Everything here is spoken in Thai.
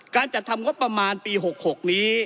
การจัดทำงบประมาณปี๖๖นี้